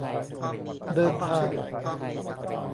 เดินทาง !